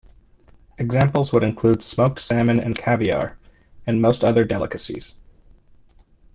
Examples would include smoked salmon and caviar, and most other delicacies.